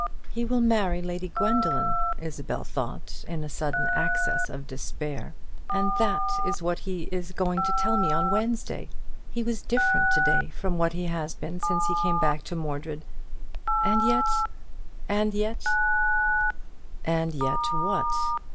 "He will marry Lady Gwendoline," Isabel thought, in a sudden access of despair; "and that is what he is going to tell me on Wednesday. He was different to day from what he has been since he came back to Mordred. And yet and yet " And yet what?